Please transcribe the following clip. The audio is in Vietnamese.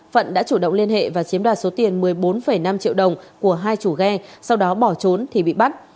phạn đã chủ động liên hệ và chiếm đoạt số tiền một mươi bốn năm triệu đồng của hai chủ ghe sau đó bỏ trốn thì bị bắt